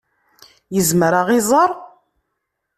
Yezmer ad ɣ-iẓer?